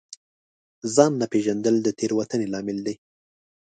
ځان نه پېژندل د تېروتنې لامل دی.